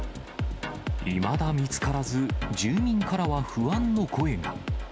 いまだ見つからず、住民からは不安の声が。